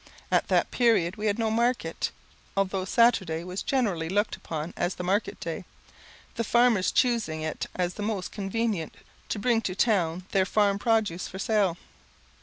At that period we had no market, although Saturday was generally looked upon as the market day; the farmers choosing it as the most convenient to bring to town their farm produce for sale.